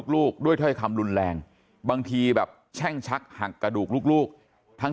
ลูกด้วยถ้อยคำรุนแรงบางทีแบบแช่งชักหักกระดูกลูกทั้ง